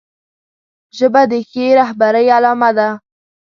ژبه د ښې رهبرۍ علامه ده